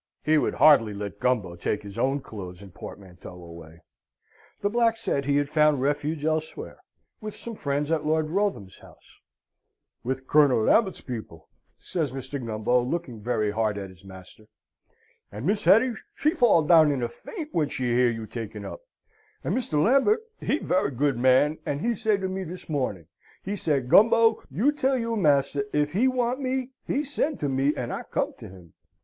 He would hardly let Gumbo take his own clothes and portmanteau away. The black said he had found refuge elsewhere with some friends at Lord Wrotham's house. "With Colonel Lambert's people," says Mr. Gumbo, looking very hard at his master. "And Miss Hetty she fall down in a faint, when she hear you taken up; and Mr. Lambert, he very good man, and he say to me this morning, he say, 'Gumbo, you tell your master if he want me he send to me, and I come to him.'"